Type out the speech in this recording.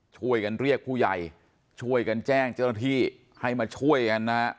ช่วยกันเรียกผู้ใหญ่ช่วยกันแจ้งเจ้าหน้าที่ให้มาช่วยกันนะฮะ